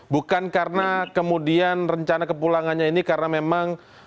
bukan karena kemudian rencana kepulangannya ini karena memang